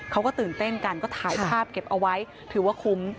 เขาก็ตื่นเต้นกันก็ถ่ายภาพเก็บเอาไว้ถือว่าคุ้ม